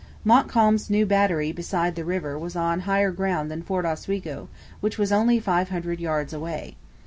Montcalm's new battery beside the river was on higher ground than Fort Oswego, which was only five hundred yards away.